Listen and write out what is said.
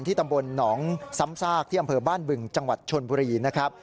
ตำบลหนองซ้ำซากที่อำเภอบ้านบึงจังหวัดชนบุรีนะครับ